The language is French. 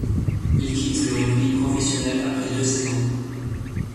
Il quitte le rugby professionnel après deux saisons.